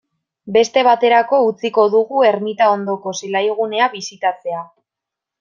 Beste baterako utziko dugu ermita ondoko zelaigunea bisitatzea.